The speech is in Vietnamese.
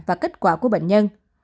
và kết quả của bệnh nhân